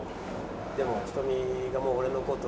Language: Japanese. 「でも瞳がもう俺の事を」。